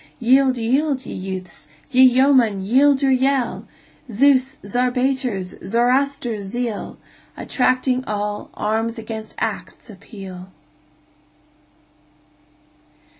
Yield, yield, ye youths! ye yeomen, yield your yell! Zeus', Zarpater's, Zoroaster's zeal, Attracting all, arms against acts appeal!